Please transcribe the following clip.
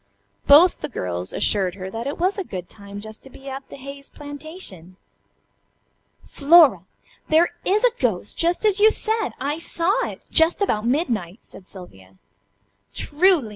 Both the girls assured her that it was a good time just to be at the Hayes plantation. "Flora! There is a ghost! Just as you said! I saw it. Just about midnight," said Sylvia. "Truly!"